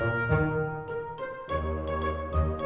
jangan bisa ngebelin